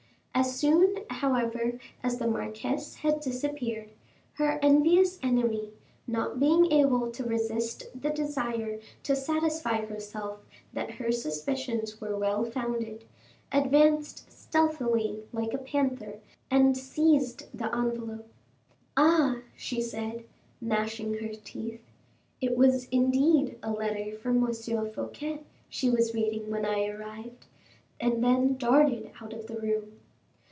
As soon, however, as the marquise had disappeared, her envious enemy, not being able to resist the desire to satisfy herself that her suspicions were well founded, advanced stealthily like a panther, and seized the envelope. "Ah!" she said, gnashing her teeth, "it was indeed a letter from M. Fouquet she was reading when I arrived," and then darted out of the room.